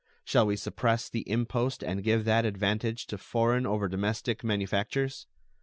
Shall we suppress the impost and give that advantage to foreign over domestic manufactures?